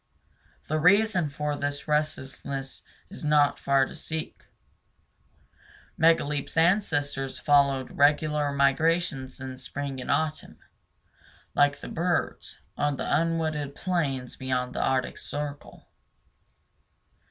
The reason for this restlessness is not far to seek. Megaleep's ancestors followed regular migrations in spring and autumn, like the birds, on the unwooded plains beyond the Arctic Circle.